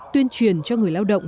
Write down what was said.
tuyên truyền cho người lao động